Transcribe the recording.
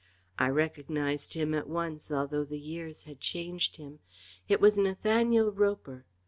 I recognised him at once, although the years had changed him. It was Nathaniel Roper.